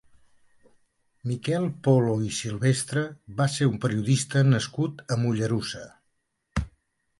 Miquel Polo i Silvestre va ser un periodista nascut a Mollerussa.